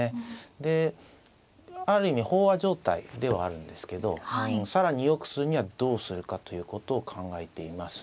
である意味飽和状態ではあるんですけど更によくするにはどうするかということを考えています。